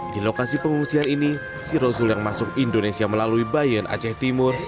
di lokasi pengungsian ini si rasul yang masuk indonesia melalui bayen aceh timur